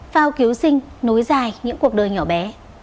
phao cứu sinh nối dài những cuộc đời nhỏ bé